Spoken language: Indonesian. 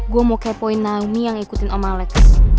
gue mau kepoin naomi yang ikutin oma lex